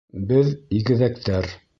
— Беҙ — игеҙәктәр.